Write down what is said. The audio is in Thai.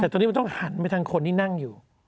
แต่ตัวนี้มันต้องหันไปทางคนที่นั่งอยู่